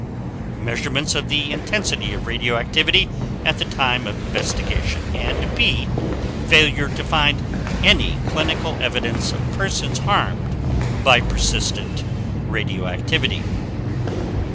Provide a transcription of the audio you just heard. Measurements of the intensity of radioactivity at the time of the investigation; and B. Failure to find any clinical evidence of persons harmed by persistent radioactivity.